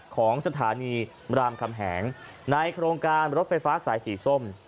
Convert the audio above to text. ของสถานีรามคำแหงในโครงการรถไฟฟ้าสายสีส้ม